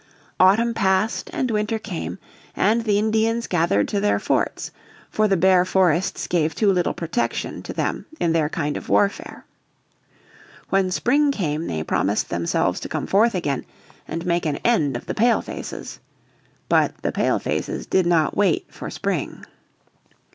Autumn passed and winter came, and the Indians gathered to their forts, for the bare forests gave too little protection to them in their kind of warfare. When spring came they promised themselves to come forth again and make an end of the Pale faces. But the Pale faces did not wait for spring.